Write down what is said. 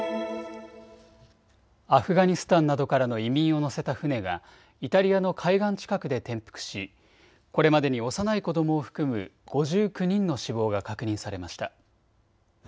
アフガニスタンなどからの移民を乗せた船がイタリアの海岸近くで転覆しこれまでに幼い子どもを含む５９人の死亡が確認されました。